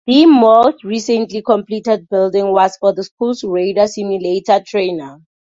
The most recently completed building was for the school's radar simulator trainer.